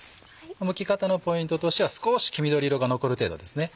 むき方のポイントとしては少し黄緑色が残る程度ですね。